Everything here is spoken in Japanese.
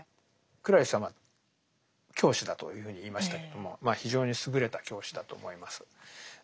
クラリスはまあ教師だというふうに言いましたけども非常に優れた教師だと思います。